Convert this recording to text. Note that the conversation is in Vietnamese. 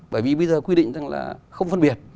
bởi vì bây giờ quy định rằng là không phân biệt